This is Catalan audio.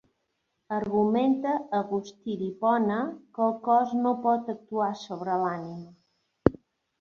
Argumenta Agustí d'Hipona que el cos no pot actuar sobre l'ànima.